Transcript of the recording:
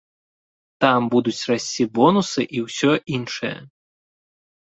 Там будуць расці бонусы і ўсё іншае.